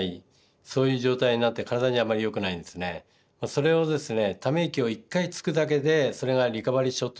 それをですね